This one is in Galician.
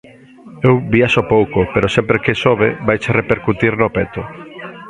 Eu viaxo pouco, pero sempre que sobe vaiche repercutir no peto.